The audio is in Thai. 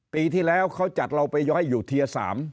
ปีที่แล้วเขาจัดเราไปย้อยอยู่เทียร์๓